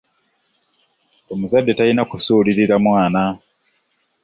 Omuzadde talina kusuulirira mwana.